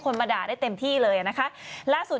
อย่างงี้ด้วย